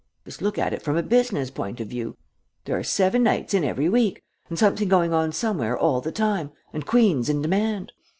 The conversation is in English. Just look at it from a business point of view. There are seven nights in every week, and something going on somewhere all the time, and queens in demand.